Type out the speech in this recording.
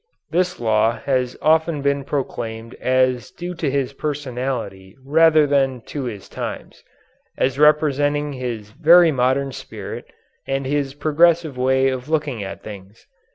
This law has often been proclaimed as due to his personality rather than to his times, as representing his very modern spirit and his progressive way of looking at things.